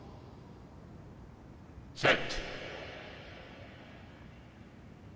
「セット」。